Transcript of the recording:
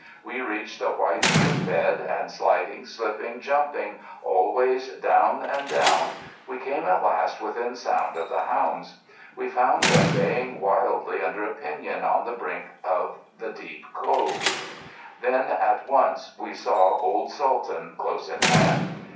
We reached the white stream bed, and sliding, slipping, jumping, always down and down, we came at last within sound of the hounds. We found them baying wildly under a piñon on the brink of the deep cove. Then, at once, we all saw old Sultan close at hand.